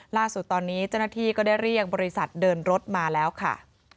ล่าสุดตอนนี้เจ้าหน้าที่ก็ได้เรียกบริษัทเดินรถมาแล้วค่ะ